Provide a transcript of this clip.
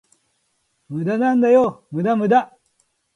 無駄なんだよ、無駄無駄